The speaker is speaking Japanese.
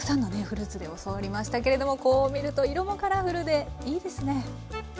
フルーツで教わりましたけれどもこう見ると色もカラフルでいいですね。